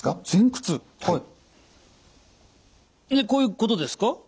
こういうことですか？